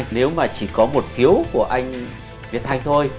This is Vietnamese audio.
nếu mà chỉ có một phiếu của anh việt thanh thôi